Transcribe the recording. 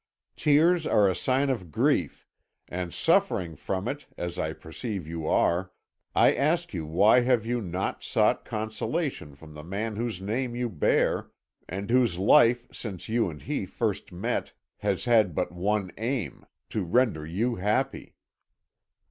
Tears are a sign of grief, and suffering from it, as I perceive you are, I ask you why have you not sought consolation from the man whose name you bear, and whose life since you and he first met has had but one aim to render you happy.'